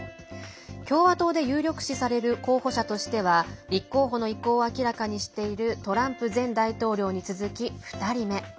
共和党で有力視される候補者としては立候補の意向を明らかにしているトランプ前大統領に続き２人目。